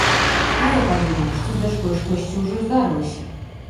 Тая падумала, што з дачкой штосьці ўжо здарылася.